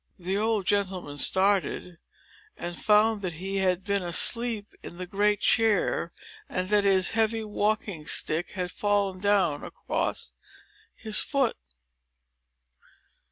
The old gentleman started, and found that he had been asleep in the great chair, and that his heavy walking stick had fallen down across his foot.